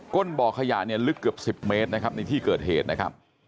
้นบ่อขยะเนี่ยลึกเกือบ๑๐เมตรนะครับในที่เกิดเหตุนะครับ